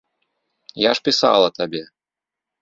Я ж пісала табе.